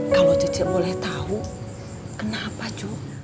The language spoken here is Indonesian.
kalo cecek boleh tau kenapa cu